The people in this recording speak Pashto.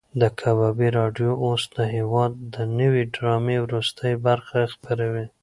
د کبابي راډیو اوس د هېواد د نوې ډرامې وروستۍ برخه خپروي.